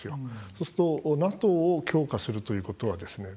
そうすると、ＮＡＴＯを強化するということはですね